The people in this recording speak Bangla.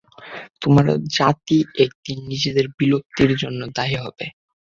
তোমার জাতি একদিন নিজেদের বিলুপ্তির জন্য দায়ী হবে।